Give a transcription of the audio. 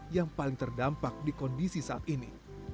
yang paling terdampak di kondisi saat ini